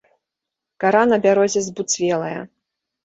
Кара на бярозе збуцвелая.